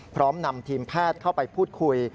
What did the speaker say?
พร้อมนำทีมแพทย์เข้าไปพูดคุย